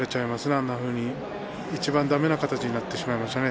あんなふうに、いちばんだめな形になってしまいましたね